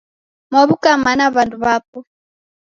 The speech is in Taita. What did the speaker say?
Mwaw'uka mana w'andu w'apo?